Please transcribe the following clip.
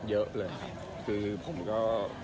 เยอะเลยครับคือผมก็